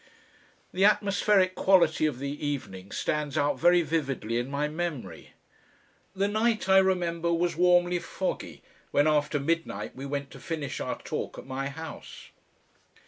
The atmospheric quality of the evening stands out very vividly in my memory. The night, I remember, was warmly foggy when after midnight we went to finish our talk at my house.